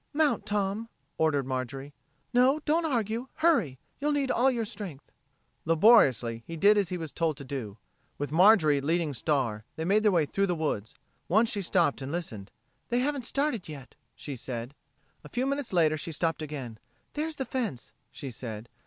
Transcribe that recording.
"Mount, Tom," ordered Marjorie. "No, don't argue! Hurry! You'll need all your strength." Laboriously, he did as he was told to do. With Marjorie leading Star, they made their way through the woods. Once she stopped and listened. "They haven't started yet," she said. A few minutes later she stopped again. "There's the fence," she said.